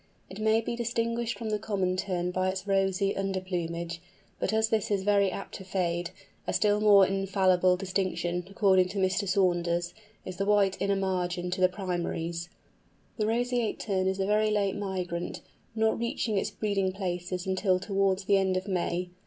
It may be distinguished from the Common Tern by its rosy under plumage; but as this is very apt to fade, a still more infallible distinction, according to Mr. Saunders, is the white inner margin to the primaries. The Roseate Tern is a very late migrant, not reaching its breeding places until towards the end of May.